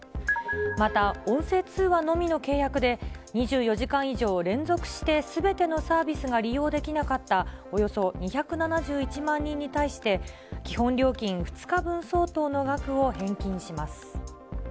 また、音声通話のみの契約で、２４時間以上連続してすべてのサービスが利用できなかったおよそ２７１万人に対して、基本料金２日分相当の額を返金します。